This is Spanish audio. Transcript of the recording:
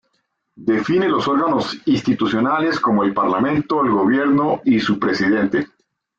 Define los órganos institucionales como el Parlamento, el Gobierno y su Presidente.